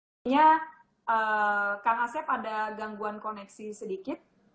artinya kang asep ada gangguan koneksi sedikit